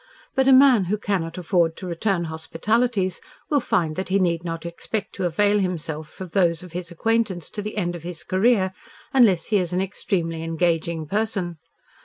But a man who cannot afford to return hospitalities will find that he need not expect to avail himself of those of his acquaintances to the end of his career unless he is an extremely engaging person.